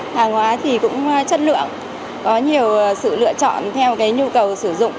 hàng hóa thì cũng chất lượng có nhiều sự lựa chọn theo nhu cầu sử dụng